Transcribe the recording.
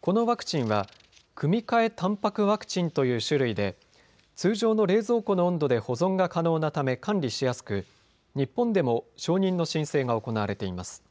このワクチンは組換えたんぱくワクチンという種類で通常の冷蔵庫の温度で保存が可能なため管理しやすく、日本でも承認の申請が行われています。